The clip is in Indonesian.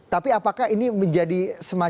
tapi apakah ini menjadi sebuah perubahan